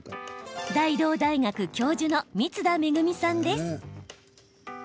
大同大学教授の光田恵さんです。